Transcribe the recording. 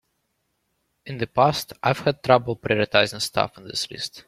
In the past I've had trouble prioritizing stuff in this list.